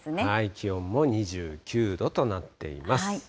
気温も２９度となっています。